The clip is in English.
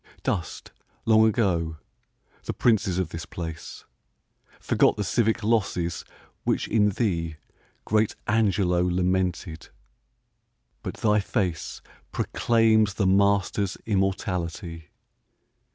Dust, long ago, the princes of this place ; Forgot the civic losses which in thee Great Angelo lamented ; but thy face Proclaims the master's immortality!